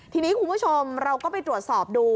ทีนี้คุณผู้ชมเราก็ไปตรวจสอบดู